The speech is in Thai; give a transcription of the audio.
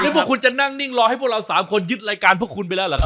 พวกคุณจะนั่งนิ่งรอให้พวกเรา๓คนยึดรายการพวกคุณไปแล้วเหรอครับ